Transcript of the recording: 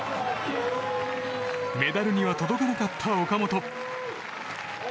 メダルには届かなかった岡本。